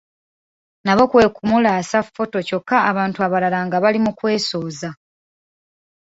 Nabo kwekumulasa foto kyokka ng'abantu abalala bali mu kwesooza.